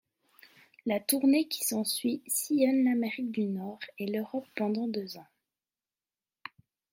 La tournée qui s'ensuit sillonne l'Amérique du Nord et l'Europe pendant deux ans.